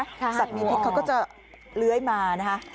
สัตว์มีพิษเขาก็จะเลื้อยมานะคะ